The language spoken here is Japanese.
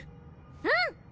うん！